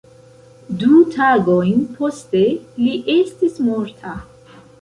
Du tagojn poste, li estis morta.